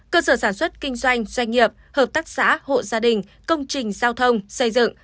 cơ sở sản xuất kinh doanh doanh nghiệp hợp tác xã hộ gia đình công trình giao thông xây dựng